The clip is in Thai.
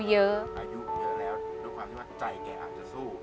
เยอะอายุเยอะแล้วด้วยความที่ว่าใจแกอาจจะสู้